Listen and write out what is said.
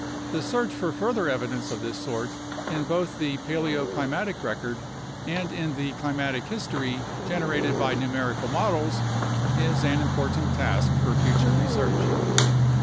The search for further evidence of this sort in both the paleoclimatic record and in the climatic history generated by numerical models is an important task for future research.